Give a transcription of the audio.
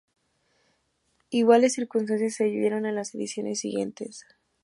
Iguales circunstancias se vivieron en las ediciones siguientes.